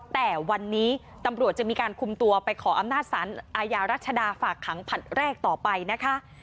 แต่วันนี้ตำรวจจะมีการคุมตัวไปขออำนาจสารอาญารัชดาฝากขังผลัดแรกต่อไปนะคะ